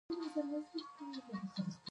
ایا ستاسو غلطۍ سمې شوې نه دي؟